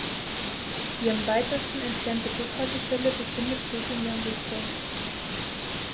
Die am weitesten entfernte Bushaltestelle befindet sich in Jandelsbrunn.